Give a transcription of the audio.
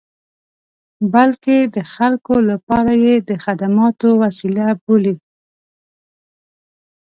بلکې د خلکو لپاره یې د خدماتو وسیله بولي.